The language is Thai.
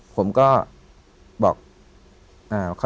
ผมก็บอก